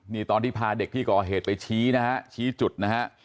นี่ตอนที่พาเด็กที่ก่อเหตุไปชี้นะฮะชี้จุดนะฮะ